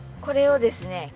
これをですね